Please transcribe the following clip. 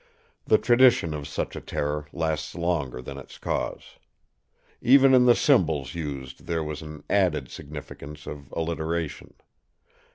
The tradition of such a terror lasts longer than its cause. Even in the symbols used there was an added significance of alliteration.